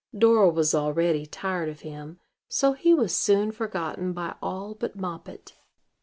Dora was already tired of him; so he was soon forgotten by all but Moppet.